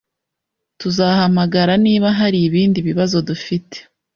Tuzahamagara niba hari ibindi bibazo dufite.